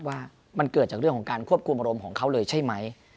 ว่ามันเกิดจากเรื่องของการควบคุมอารมณ์ของเขาเลยใช่ไหม